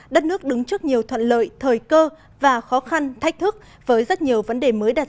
đất nước đứng trước nhiều thuận lợi thời cơ và khó khăn thách thức với rất nhiều vấn đề mới đặt ra